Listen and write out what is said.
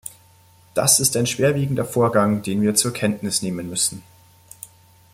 Das ist ein schwerwiegender Vorgang, den wir zur Kenntnis nehmen müssen.